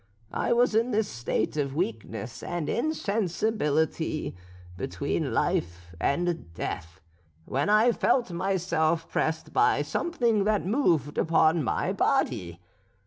I was in this state of weakness and insensibility, between life and death, when I felt myself pressed by something that moved upon my body.